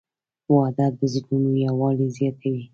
• واده د زړونو یووالی زیاتوي.